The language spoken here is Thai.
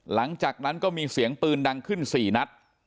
หลังจากนั้นก็มีเสียงปืนดังขึ้น๔นัด